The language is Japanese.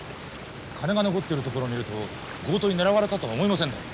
金が残ってるところをみると強盗に狙われたとは思えませんね。